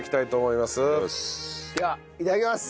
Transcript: いただきます。